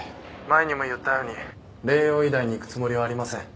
前にも言ったように麗洋医大に行くつもりはありません。